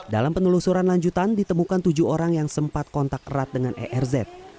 dalam penelusuran lanjutan ditemukan tujuh orang yang sempat kontak erat dengan erz